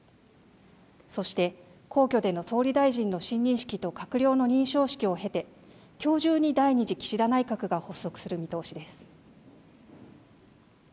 そして皇居での総理大臣の親任式と閣僚の認証式を経てきょう中に第２次岸田内閣が発足する見通しです。